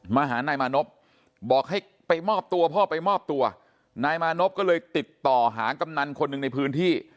มาหานายมานพบอกให้ไปมอบตัวพ่อไปมอบตัวนายมานพก็เลยติดต่อหากำนันคนหนึ่งในพื้นที่